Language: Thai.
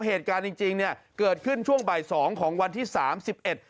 เหตุการณ์จริงจริงเนี่ยเกิดขึ้นช่วงบ่ายสองของวันที่สามสิบเอ็ด